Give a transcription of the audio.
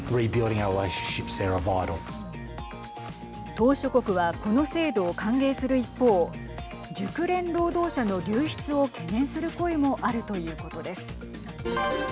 島しょ国はこの制度を歓迎する一方熟練労働者の流出を懸念する声もあるということです。